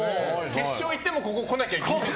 決勝行ってもここ来なきゃいけないの？